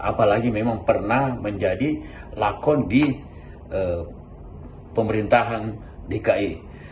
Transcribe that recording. apalagi memang pernah menjadi lakon di pemerintahan dki